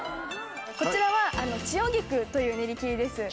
こちらは千代菊という練り切りです。